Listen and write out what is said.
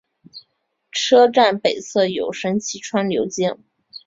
车站北侧有神崎川流经。